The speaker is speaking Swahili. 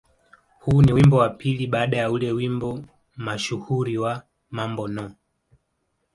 Huu ni wimbo wa pili baada ya ule wimbo mashuhuri wa "Mambo No.